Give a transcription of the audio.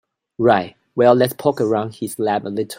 Right, well let's poke around his lab a little.